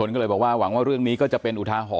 เคยไปเล่นกับเด็กกับน้องนะ